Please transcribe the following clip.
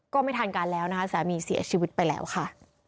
ก็ไม่ทันการแล้วนะคะสามีเสียชีวิตไปแล้วค่ะ